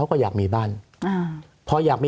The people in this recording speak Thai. สวัสดีครับทุกคน